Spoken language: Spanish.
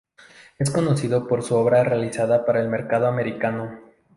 Es conocido por su obra realizada para el mercado americano.